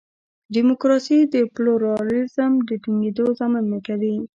ډیموکراسي د پلورالېزم د ټینګېدو ضامن نه کوي.